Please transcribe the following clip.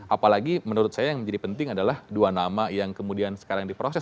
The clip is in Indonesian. apalagi menurut saya yang menjadi penting adalah dua nama yang kemudian sekarang diproses